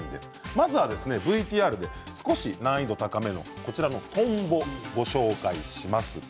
まずはＶＴＲで少し難易度高めのトンボをご紹介します。